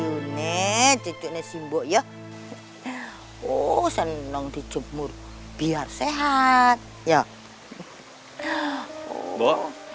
ayo ne ceknya simbok ya oh senang dijemur biar sehat ya